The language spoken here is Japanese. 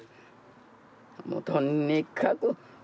もうとにかく。